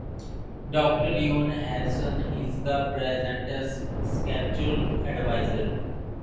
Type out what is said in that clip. Doctor Leon Harrison is the present spiritual adviser.